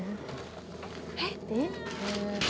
えっ？えっ？